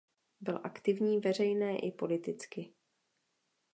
Byl aktivní veřejné i politicky.